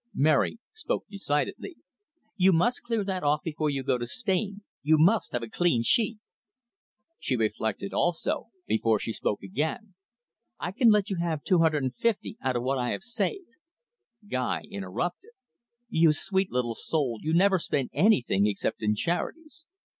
Mary spoke decidedly. "You must clear that off before you go to Spain you must have a clean sheet." She reflected also, before she spoke again. "I can let you have two hundred and fifty out of what I have saved." Guy interrupted. "You sweet little soul, you never spend anything except in charities."